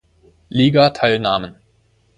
Liga teilnahmen.